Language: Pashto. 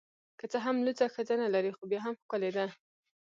که څه هم لوڅه ښځه نلري خو بیا هم ښکلې ده